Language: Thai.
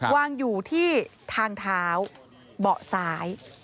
วางอยู่ที่ทางเท้าเบาะซ้าย